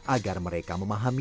agar mereka memahami